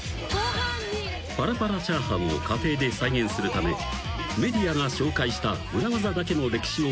［パラパラチャーハンを家庭で再現するためメディアが紹介した裏技だけの歴史を研究してみると］